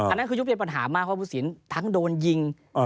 อันนั้นคือยุคเป็นปัญหามากเพราะผู้สินทั้งโดนยิง